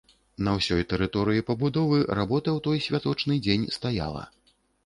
На ўсёй тэрыторыі пабудовы работа ў той святочны дзень стаяла.